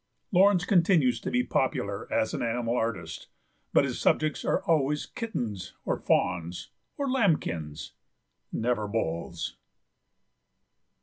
Laurence continues to be popular as an animal artist, but his subjects are always kittens or fawns or lambkins—never bulls.